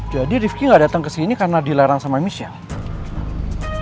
jadi rifki gak dateng kesini karena dilarang sama michelle